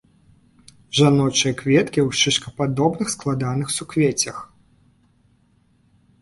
Жаночыя кветкі ў шышкападобных складаных суквеццях.